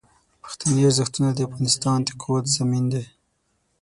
پښتني ارزښتونه د افغانستان د قوت ضامن دي.